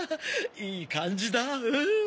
いい感じだうん！